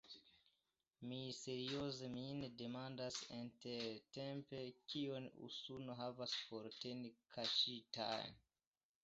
Mi serioze min demandas intertempe: kion Usono havas por teni kaŝita?